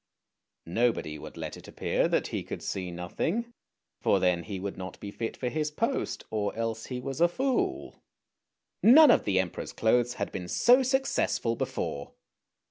" Nobody would let it appear that he could see nothing, for then he would not be fit for his post, or else he was a fool. None of the Emperor's clothes had been so successful before.